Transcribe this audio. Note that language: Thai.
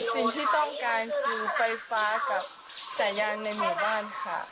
สิ่งที่ต้องการคือไฟฟ้ากับสายยางในหมู่บ้านค่ะ